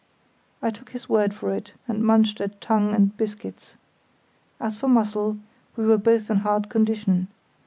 I took his word for it, and munched at tongue and biscuits. As for muscle, we were both in hard condition.